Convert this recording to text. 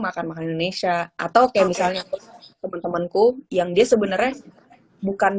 makan makanan indonesia atau kayak misalnya temen temenku yang dia sebenarnya bukan